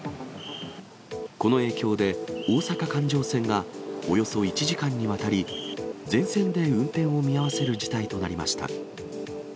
この影響で、大阪環状線がおよそ１時間にわたり、全線で運転を見合わせる事態となりました。